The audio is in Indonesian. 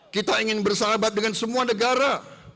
kita ingin bersahabat dengan semua negara